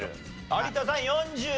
有田さん４２。